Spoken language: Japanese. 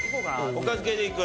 おかず系でいく？